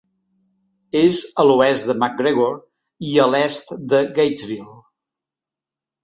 És a l'oest de McGregor i a l'est de Gatesville.